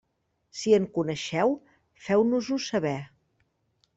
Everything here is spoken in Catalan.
Si en coneixeu, feu-nos-ho saber.